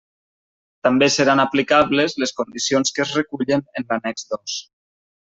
També seran aplicables les condicions que es recullen en l'annex dos.